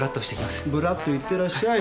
ブラっと行ってらっしゃい。